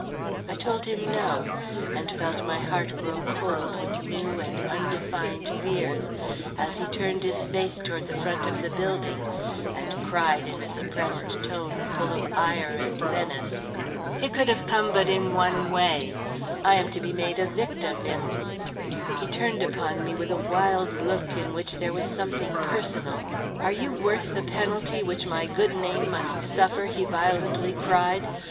I told him no, and felt my heart grow cold with new and undefined fears as he turned his face toward the front of the building, and cried, in a suppressed tone, full of ire and menace: "It could have come but in one way; I am to be made a victim if " He turned upon me with a wild look in which there was something personal. "Are you worth the penalty which my good name must suffer?" he violently cried.